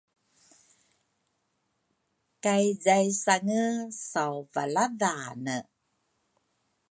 kay zaisange sawvaladhane.